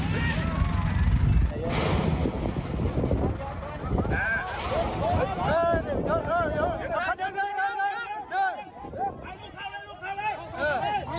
โดดแล้วโดดแล้ว